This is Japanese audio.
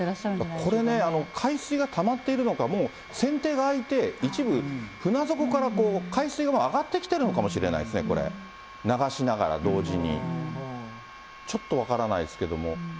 これね、海水がたまっているのか、もう船底が開いて、一部、船底から海水が上がってきてるのかもしれないですね、これ、流しながら、同時に。